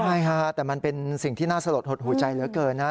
ใช่ค่ะแต่มันเป็นสิ่งที่น่าสลดหดหูใจเหลือเกินนะ